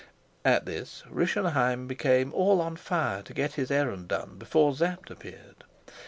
At this Rischenheim became all on fire to get his errand done before Sapt appeared.